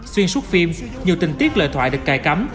xuyên suốt phim nhiều tình tiết lời thoại được cài cắm